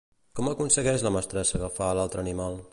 Com aconsegueix la mestressa agafar a l'altre animal?